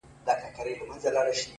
د ژوندانه كارونه پاته رانه؛